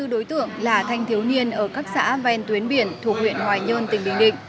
hai mươi đối tượng là thanh thiếu niên ở các xã ven tuyến biển thuộc huyện hoài nhơn tỉnh bình định